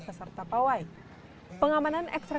peserta pawai pengamanan ekstra